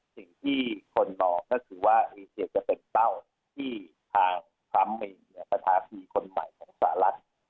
สิ่งที่คนมองก็คือว่าเอเซียจะเป็นเป้าที่ทางทรัมป์มีประธาภีร์คนใหม่ของสหรัฐ